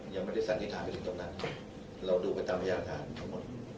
ยังไม่ได้สันนิษฐานไปถึงตรงนั้นเราดูไปตามพยานฐานทั้งหมด